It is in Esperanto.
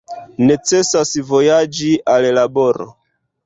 Necesas vojaĝi al laboro.